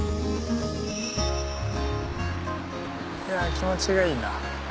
気持ちがいいな。